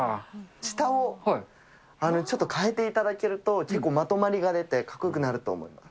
下をちょっと変えていただけると、結構まとまりが出てかっこよくなると思います。